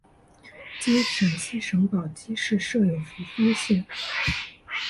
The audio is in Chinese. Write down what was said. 今陕西省宝鸡市设有扶风县。